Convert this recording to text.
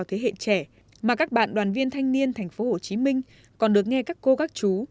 thế hệ trẻ mà các bạn đoàn viên thanh niên tp hcm còn được nghe các cô các chú